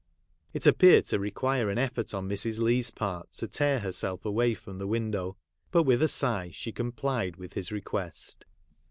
It appeared to require an effort on Mrs. Leigh's part to tear herself away from the window, but with a sigh she complied with his request.